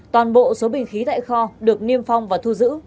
toàn bộ số bình khí tại kho được niêm phong và thu giữ